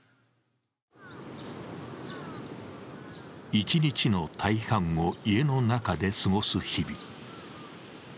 一日の大半を家の中で過ごす日々。